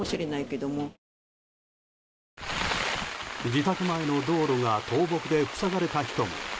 自宅前の道路が倒木で塞がれた人も。